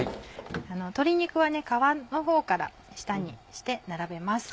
鶏肉は皮のほうから下にして並べます。